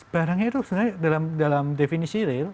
barangnya itu sebenarnya dalam definisi real